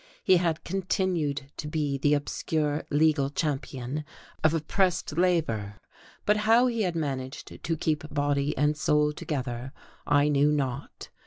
He had continued to be the obscure legal champion of "oppressed" labour, but how he had managed to keep body and soul together I knew not.